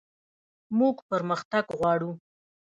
موږ پرمختګ غواړو